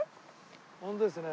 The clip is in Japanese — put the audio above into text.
本当ですね。